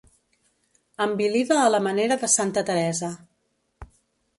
Envilida a la manera de Santa Teresa.